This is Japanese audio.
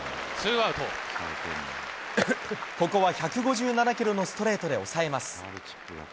ここは１５７キロのストレートで抑えます。